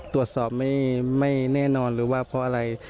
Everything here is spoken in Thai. ตรวจสอบไม่แน่นอนหรือว่าเพราะอะไร